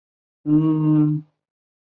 说不出话来